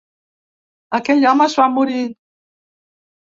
Aquell home es va morir.